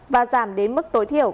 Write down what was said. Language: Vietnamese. và giảm đến mức tối thiểu